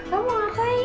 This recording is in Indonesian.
kamu mau ngapain